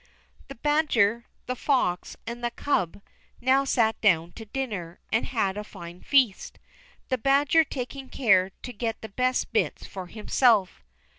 The badger, the fox, and the Cub now sat down to dinner, and had a fine feast, the badger taking care to get the best bits for himself.